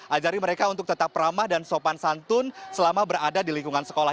ajari mereka untuk tetap ramah dan sopan santun selama berada di lingkungan sekolah